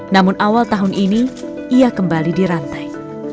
namun awal tahun ini ia kembali dirantai